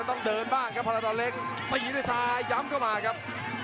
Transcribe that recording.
ต้องเดินบ้างครับพรดอนเล็กไม่ยิงด้วยซ้ายย้ำเข้ามาครับ